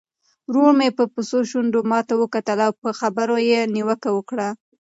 ورور مې په بوڅو شونډو ماته وکتل او په خبرو یې نیوکه وکړه.